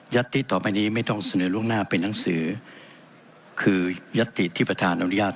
ที่ต่อไปนี้ไม่ต้องเสนอล่วงหน้าเป็นหนังสือคือยัตติที่ประธานอนุญาต